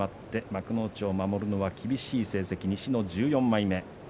幕内を守るのは厳しい成績西の１４枚目です。